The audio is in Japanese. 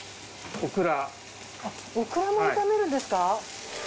オクラも炒めるんですか？